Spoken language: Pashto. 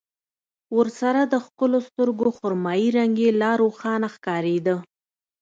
ورسره د ښکلو سترګو خرمايي رنګ يې لا روښانه ښکارېده.